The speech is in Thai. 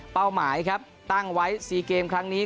หมายครับตั้งไว้๔เกมครั้งนี้